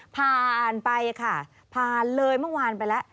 ผ่านไปค่ะผ่านเลยเมื่อวานไปแล้ว